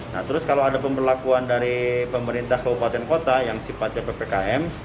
nah terus kalau ada pemberlakuan dari pemerintah kabupaten kota yang sifatnya ppkm